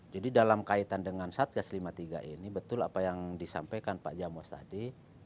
jadi dalam kaitan dengan saat gas lima ini betul apa yang disampaikan pak jam was tadi